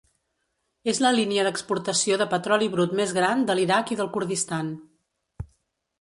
És la línia d'exportació de petroli brut més gran de l'Iraq i del Kurdistan.